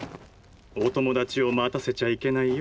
お友達を待たせちゃいけないよ。